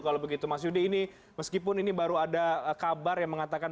kalau begitu mas yudi ini meskipun ini baru ada kabar yang mengatakan